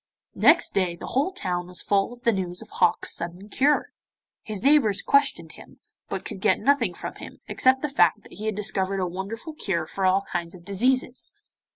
Next day the whole town was full of the news of Hok's sudden cure. His neighbours questioned him, but could get nothing from him, except the fact that he had discovered a wonderful cure for all kinds of diseases.